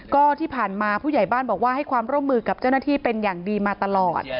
ก็ที่ผ่านมาผู้ใหญ่บ้านบอกว่าให้ความร่วมมือกับเจ้าหน้าที่เป็นอย่างดีมาตลอด